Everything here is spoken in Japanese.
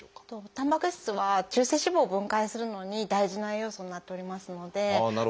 たんぱく質は中性脂肪を分解するのに大事な栄養素になっておりますので。